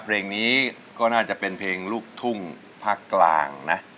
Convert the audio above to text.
เพลงนี้ก็น่าจะเป็นเพลงลูกทุ่งภาคกลางนะ